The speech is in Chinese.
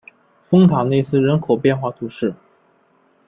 丰塔内斯人口变化图示